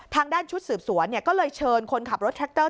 ทางด้านชุดสืบสวนก็เลยเชิญคนขับรถแท็กเตอร์